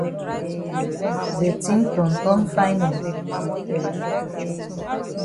De tin ton ton fine eh.